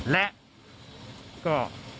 และก็